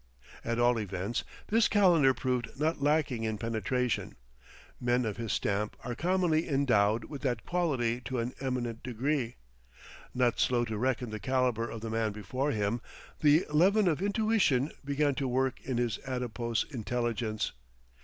At all events, this Calendar proved not lacking in penetration; men of his stamp are commonly endowed with that quality to an eminent degree. Not slow to reckon the caliber of the man before him, the leaven of intuition began to work in his adipose intelligence.